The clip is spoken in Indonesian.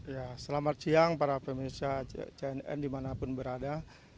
ya selamat siang para pemirsa cnn dimanapun berada